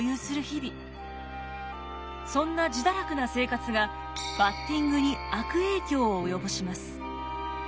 そんな自堕落な生活がバッティングに悪影響を及ぼします。